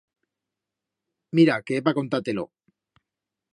Mira, que é pa contar-te-lo.